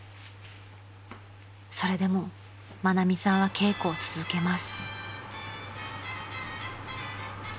［それでも愛美さんは稽古を続けます］